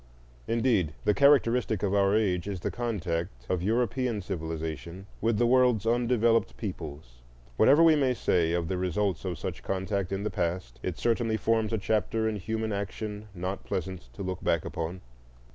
Indeed, the characteristic of our age is the contact of European civilization with the world's undeveloped peoples. Whatever we may say of the results of such contact in the past, it certainly forms a chapter in human action not pleasant to look back upon.